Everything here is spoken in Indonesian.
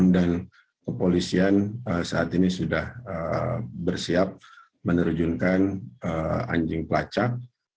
dan kepolisian saat ini sudah bersiap menerjunkan anjing pelacak